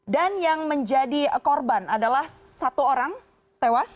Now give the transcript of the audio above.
dan yang menjadi korban adalah satu orang tewas